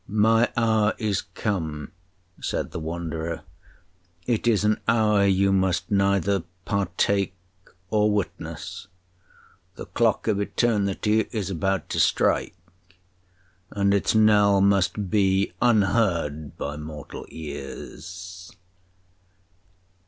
'My hour is come,' said the Wanderer, 'it is an hour you must neither partake or witness—the clock of eternity is about to strike, but its knell must be unheard by mortal ears!'